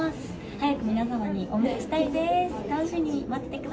早く皆様にお見せしたいです。